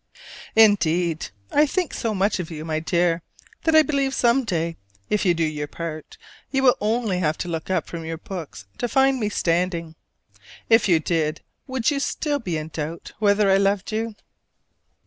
Indeed, I think so much of you, my dear, that I believe some day, if you do your part, you will only have to look up from your books to find me standing. If you did, would you still be in doubt whether I loved you?